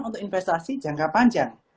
untuk investasi jangka panjang